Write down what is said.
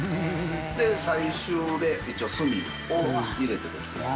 で最終で一応炭を入れてですね